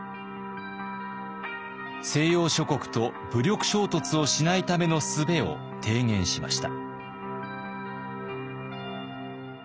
西洋諸国と武力衝突をしないためのすべを提言しました。